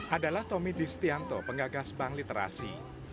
adalah tommy distianto pengagas bank literasi